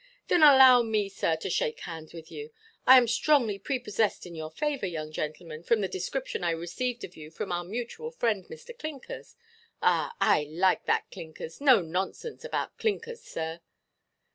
"Then, allow me, sir, to shake hands with you. I am strongly prepossessed in your favour, young gentleman, from the description I received of you from our mutual friend, Mr. Clinkers. Ah, I like that Clinkers. No nonsense about Clinkers, sir."